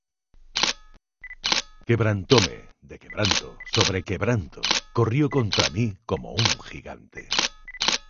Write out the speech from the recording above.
Quebrantóme de quebranto sobre quebranto; Corrió contra mí como un gigante.